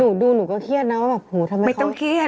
หนูดูหนูก็เครียดนะว่าโอ๋ทำไมเขา